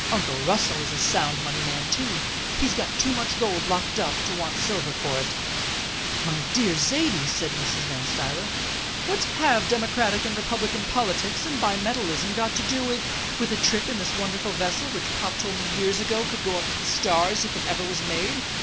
Uncle Russell is a Sound Money man too. He's got too much gold locked up to want silver for it." "My dear Zaidie," said Mrs. Van Stuyler, "what have democratic and republican politics and bimetalism got to do with " "With a trip in this wonderful vessel which Pop told me years ago could go up to the stars if it ever was made?